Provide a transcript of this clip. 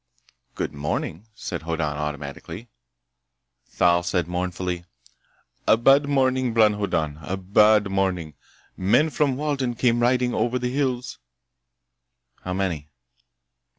"Good morning," said Hoddan automatically. Thal said mournfully: "A bad morning, Bron Hoddan! A bad morning! Men from Walden came riding over the hills—" "How many?"